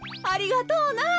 ありがとうな。